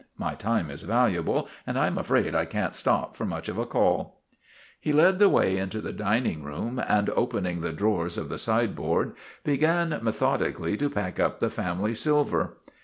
My time is valuable and I 'm afraid I can't stop for much of a call." He ler> the way into the dining room, and opening the drawers of the sideboard began methodically to pack up the family silver.